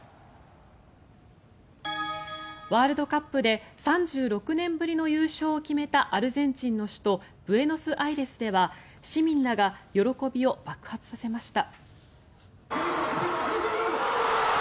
ワールドカップで３６年ぶりの優勝を決めたアルゼンチンの首都ブエノスアイレスでは市民らが喜びを爆発させました。